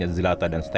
itu dan kejahatan itu